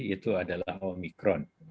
itu adalah omikron